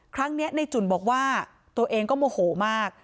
ครั้งนี้ในจุ่นบอกว่าตัวเองก็โมโหมาก